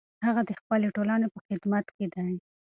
هغه د خپلې ټولنې په خدمت کې دی.